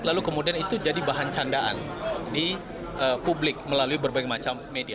lalu kemudian itu jadi bahan candaan di publik melalui berbagai macam media